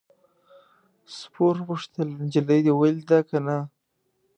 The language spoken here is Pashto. سپور وپوښتل نجلۍ دې ولیده که نه.